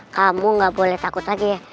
kamu gak boleh takut lagi ya